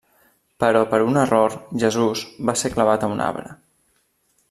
Però per un error, Jesús va ser clavat a un arbre.